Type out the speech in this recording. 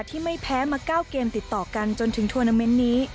ที่ไม่แพ้มา๙เกมติดต่อกันจนถึงทวนาเมนต์นี้